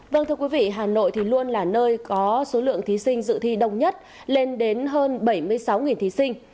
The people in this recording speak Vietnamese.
vâng thưa quý vị hà nội thì luôn là nơi có số lượng thí sinh dự thi đông nhất lên đến hơn bảy mươi sáu thí sinh